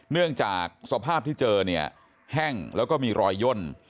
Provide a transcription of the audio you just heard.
เนื่องจากสภาพที่เจอเนี่ยแห้งแล้วก็มีรอยย่น